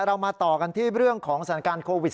เรามาต่อกันที่เรื่องของสถานการณ์โควิด๑